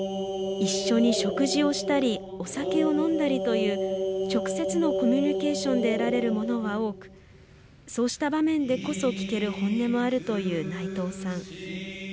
一緒に食事をしたりお酒を飲んだりという直接のコミュニケーションで得られるものは多くそうした場面でこそ聞ける本音もあるという内藤さん。